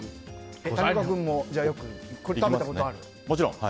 谷岡君もこれ食べたことある？